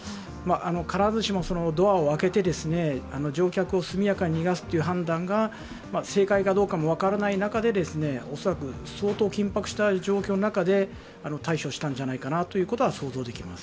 必ずしもドアを開けて乗客を速やかに逃がすという判断が正解かどうかも分からない中で恐らく相当緊迫した状況の中で対処したんじゃないかと想像できます。